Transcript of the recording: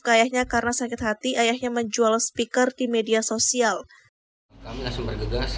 keayahnya karena sakit hati ayah yang menjual speaker di media sosial abynas mergegas ke